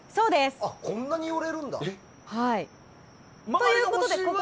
こんなに寄れるんだ。